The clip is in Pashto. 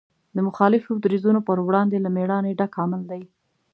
د مخالفو دریځونو په وړاندې له مېړانې ډک عمل دی.